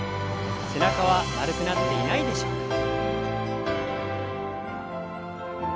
背中は丸くなっていないでしょうか？